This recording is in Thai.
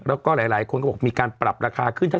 พี่โอ๊คบอกว่าเขินถ้าต้องเป็นเจ้าภาพเนี่ยไม่ไปร่วมงานคนอื่นอะได้